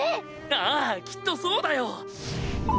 ああきっとそうだよ！